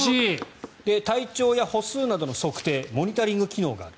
体調や歩数などの測定モニタリング機能がある。